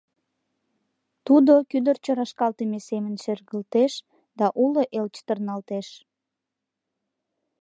Тудо кӱдырчӧ рашкалтыме семын шергылтеш да уло эл чытырналтеш”.